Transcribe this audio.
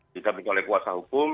diambil oleh kuasa hukum